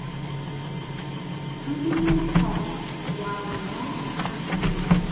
Two people talking, while the man has a beer.